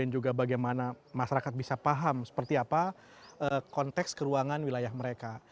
juga bagaimana masyarakat bisa paham seperti apa konteks keuangan wilayah mereka